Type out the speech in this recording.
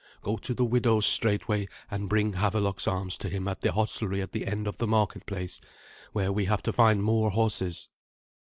Go to the widow's straightway, and bring Havelok's arms to him at the hostelry at the end of the marketplace, where we have to find more horses."